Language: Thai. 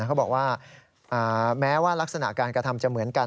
เขาบอกว่าแม้ว่ารักษณะการกระทำจะเหมือนกัน